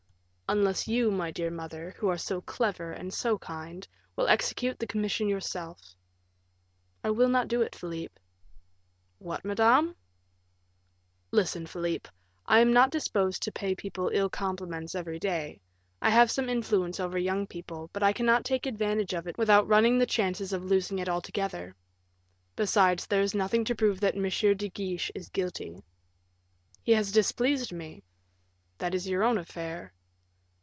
"Unless you, my dear mother, who are so clever and so kind, will execute the commission yourself." "I will not do it, Philip." "What, madame?" "Listen, Philip; I am not disposed to pay people ill compliments every day; I have some influence over young people, but I cannot take advantage of it without running the chances of losing it altogether. Besides, there is nothing to prove that M. de Guiche is guilty." "He has displeased me." "That is your own affair."